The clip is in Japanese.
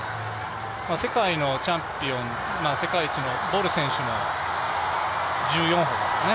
世界のチャンピオン、世界一のボル選手も１４歩ですかね